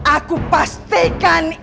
aku pastikan ini